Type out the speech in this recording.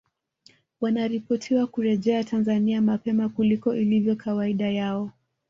Wanaripotiwa kurejea Tanzania mapema kuliko ilivyo kawaida yao